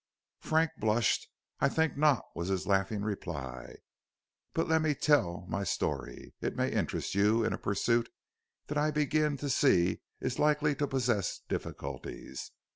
Frank blushed. "I think not," was his laughing reply. "But let me tell my story. It may interest you in a pursuit that I begin to see is likely to possess difficulties."